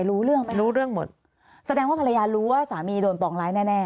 รู้เรื่องไหมรู้เรื่องหมดแสดงว่าภรรยารู้ว่าสามีโดนปองร้ายแน่แน่